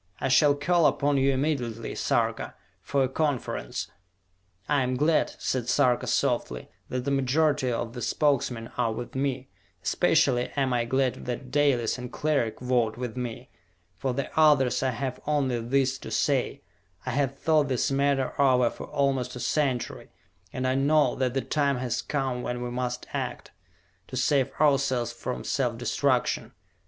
I shall call upon you immediately, Sarka, for a conference!" "I am glad," said Sarka softly, "that the majority of the Spokesmen are with me. Especially am I glad that Dalis and Cleric vote with me. For the others I have only this to say: I have thought this matter over for almost a century, and I know that the time has come when we must act, to save ourselves from self destruction.